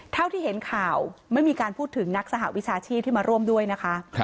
เท่าที่เห็นข่าวไม่มีการพูดถึงนักสหวิชาชีพที่มาร่วมด้วยนะคะ